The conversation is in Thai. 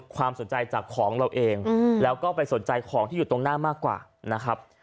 ความสนใจจากของเราเองแล้วก็ไปสนใจของที่อยู่ตรงหน้ามากกว่านะครับ